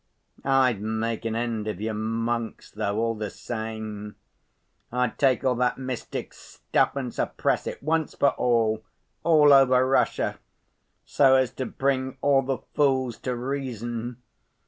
I'd make an end of your monks, though, all the same. I'd take all that mystic stuff and suppress it, once for all, all over Russia, so as to bring all the fools to reason.